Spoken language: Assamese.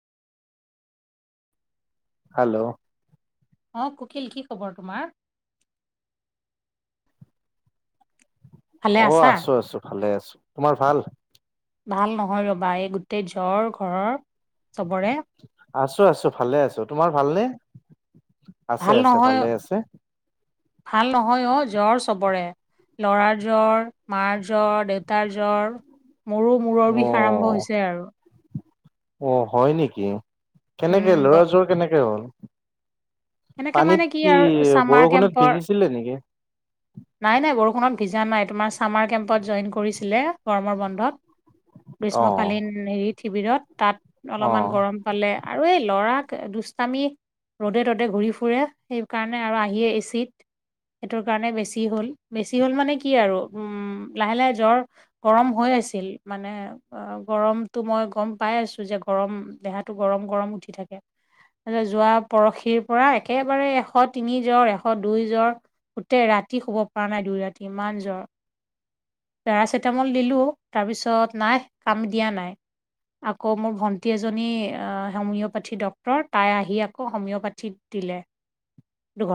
হেল্ল' অহ কুকিল। কি খবৰ তোমাৰ? ভালে অহ আছা? আছো-আছো ভালে আছো। তোমাৰ ভাল? ভাল নহয় ৰবা। এই গোটেই জ্বৰ ঘৰৰ চবৰে। আছো আছো ভালে আছো। তোমাৰ ভাল নে? ভাল নহয়, অ ভাল নহয় অ' জ্বৰ চবৰে। ল'ৰাৰ জ্বৰ, মাৰ জ্বৰ, দেউতাৰ জ্বৰ। মোৰো মূৰৰ অ বিষ আৰম্ভ হৈছে আৰু। অহ হয় নেকি? উম কেনেকে ব ল'ৰাৰ জ্বৰ কেনেকে হ'ল? সেনেকে মানে কি আৰু চামাৰ বৰষুণত কেম্পৰ ভিজিছিলে নেকি নাই-নাই বৰষুণত ভিজা নাই। তোমাৰ চামাৰ কেম্পত জইন কৰিছিলে গৰমৰ বন্ধত। অ গ্ৰীষ্মকালীন হেৰি শিবিৰত তাত অ অলপমান গৰম পালে আৰু এই ল'ৰাক দুষ্টামি ৰ'দে ততে তাতে ঘূৰি ফুৰে, সেইকাৰণে আৰু আহিয়ে এচিত। সেইটোৰ কাৰণে বেছি হ'ল। বেছি হ'ল মানে কি আৰু উম লাহে লাহে জ্বৰ গৰম হৈ আছিল মানে অ গৰমটো মই গম পাই আছো যে, গৰম দেহাটো গৰম গৰম উঠি থাকে। তাতে যোৱা পৰহিৰ পৰা একেবাৰে এশ তিনি জ্বৰ, এশ দুই জ্বৰ। গোটেই ৰাতি শুব পৰা নাই। দুই ৰাতি ইমান জ্বৰ। পেৰাচিটামোল দিলোঁ। তাৰপিছত নাই কাম দিয়া নাই। আকৌ মোৰ ভণ্টি এজনী হোমিঅপেথি ডক্তৰ তাই আহি আকৌ হোমিঅপেথি দিলে। দুঘ